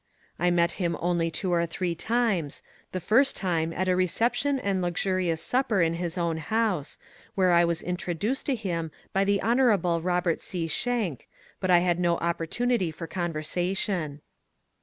I met him only two or three times, — the first time at a reception and luxurious supper in his own house, where I was introduced to him by the Hon. Robert C. Schenck, but had no opportunity for conversation.